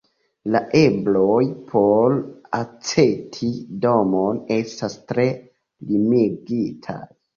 La ebloj por aĉeti domon estas tre limigitaj.